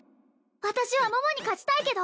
私は桃に勝ちたいけど